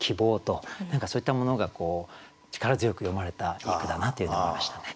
何かそういったものが力強く詠まれたいい句だなというふうに思いましたね。